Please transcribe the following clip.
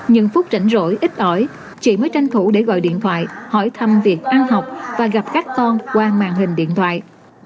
những phút rảnh rỗi ít ỏi chị mới tranh thủ để gọi điện thoại hỏi thăm việc ăn học và gặp các con qua màn hình điện thoại